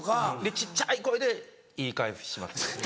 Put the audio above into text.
小っちゃい声で言い返します。